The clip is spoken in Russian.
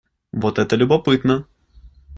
Вот это любопытно.